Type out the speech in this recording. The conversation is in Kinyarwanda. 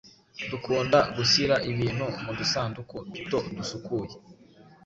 dukunda gushyira ibintu mu dusanduku duto dusukuye